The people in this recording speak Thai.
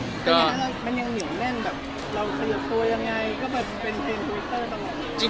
เป็นยังไงบ้าง